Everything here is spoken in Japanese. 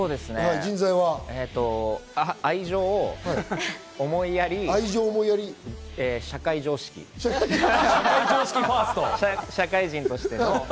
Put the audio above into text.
愛情、思いやり、社会常識、社会人としての。